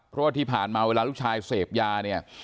เพราะว่าที่ผ่านมาเวลาลูกชายเสพยาเนี่ย